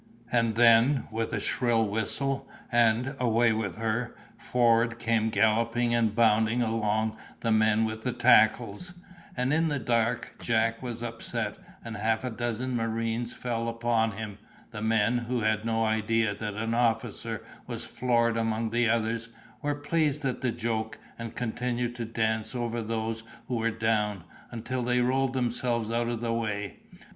And then, with a shrill whistle, and "Away with her!" forward came galloping and bounding along the men with the tackles; and in the dark Jack was upset, and half a dozen marines fell upon him; the men, who had no idea that an officer was floored among the others, were pleased at the joke, and continued to dance over those who were down, until they rolled themselves out of the way.